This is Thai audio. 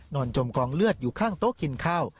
จมกองเลือดอยู่ข้างโต๊ะกินข้าว